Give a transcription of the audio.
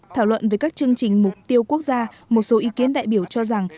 thảo luận về các chương trình mục tiêu quốc gia một số ý kiến đại biểu cho rằng